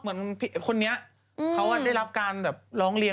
เหมือนคนนี้เขาได้รับการร้องเรียน